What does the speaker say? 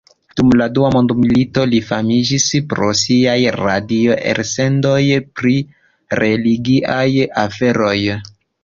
Dum la Dua mondmilito li famiĝis pro siaj radio-elsendoj pri religiaj aferoj.